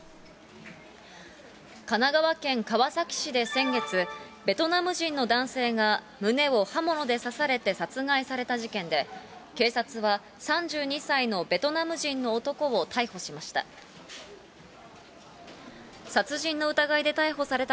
神奈川県川崎市で先月、ベトナム人の男性が胸を刃物で刺されて殺害された事件で、警察は３２歳のベトナム人の男を逮捕しました。